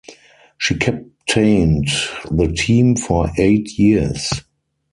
She captained the team for eight years.